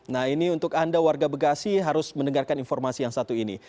nah ini untuk anda warga bekasi harus mendengarkan informasi yang satu ini